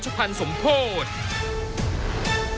ชูเวทตีแสงหน้า